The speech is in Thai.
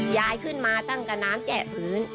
ยายขึ้นมาตั้งกับน้ำแจกพื้น